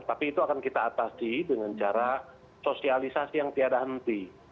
tapi itu akan kita atasi dengan cara sosialisasi yang tiada henti